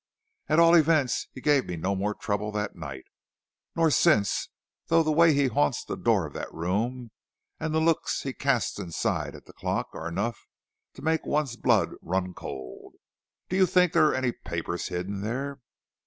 "At all events, he gave me no more trouble that night, nor since, though the way he haunts the door of that room and the looks he casts inside at the clock are enough to make one's blood run cold. Do you think there are any papers hidden there?"